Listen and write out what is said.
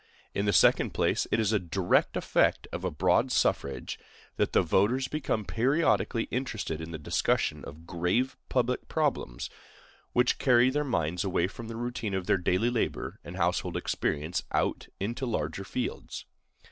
In the second place, it is a direct effect of a broad suffrage that the voters become periodically interested in the discussion of grave public problems, which carry their minds away from the routine of their daily labor and household experience out into larger fields.